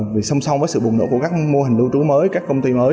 vì song song với sự bùng nổ của các mô hình lưu trú mới các công ty mới